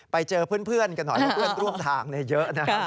ไปเจอเพื่อนกันหน่อยเพื่อนร่วมทางเยอะนะ